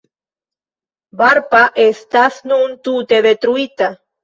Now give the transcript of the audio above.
Barpa estas nun tute detruita.